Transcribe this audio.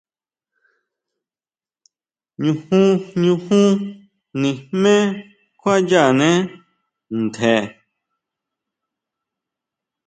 Ñujun, ñujun nijmé kjuayánee ntje.